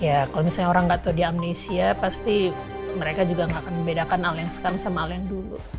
ya kalau misalnya orang kata di amnesia pasti mereka juga gak akan bedakan allerg sekali sama aller dulu